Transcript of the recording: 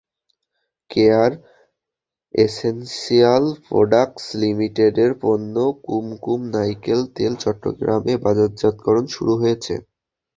Care Essential Products লিমিটেডের পণ্য কুমকুম নারিকেল তেল চট্টগ্রামে বাজারজাতকরণ শুরু হয়েছে।